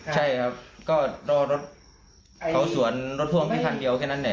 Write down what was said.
ใช่ครับก็รอรถเขาสวนรถทัวร์ที่ทันเดียวแค่นั้น